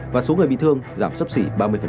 và số người bị thương giảm sấp xỉ ba mươi